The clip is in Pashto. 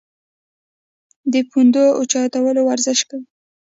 د پوندو اوچتولو ورزش کوی -